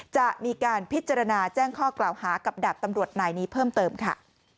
จะมีการพิจารณาแจ้งข้อกล่าวหากับดาบตำรวจนายนี้เพิ่มเติมค่ะ